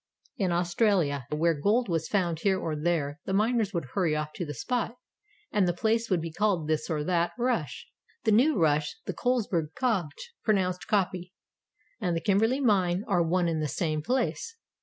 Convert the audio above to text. In Australia where gold was found here or there the miners would hurry off to the spot and the place would be called this or that "Rush." The New Rush, the Colesberg Kopje, — pronounced Coppy, — and the Kimberley mine are one and the same place.